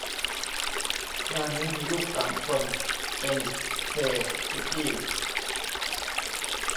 บ้านนี้มีลูกสามคน เอ็ม เค สุกี้